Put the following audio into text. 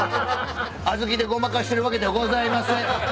あずきでごまかしてるわけではございません。